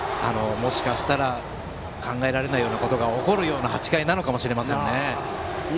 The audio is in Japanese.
もしかしたら考えられないようなことが起きる８回かもしれませんね。